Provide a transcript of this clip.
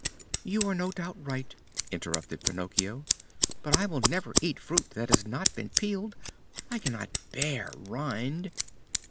"You are no doubt right," interrupted Pinocchio, "but I will never eat fruit that has not been peeled. I cannot bear rind."